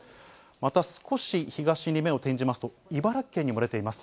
また少し東に目を転じますと、茨城県にも出ています。